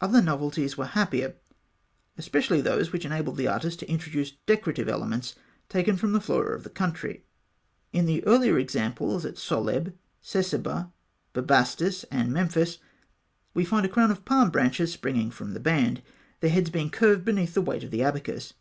Other novelties were happier, especially those which enabled the artist to introduce decorative elements taken from the flora of the country. In the earlier examples at Soleb, Sesebeh, Bubastis, and Memphis, we find a crown of palm branches springing from the band, their heads being curved beneath the weight of the abacus (fig.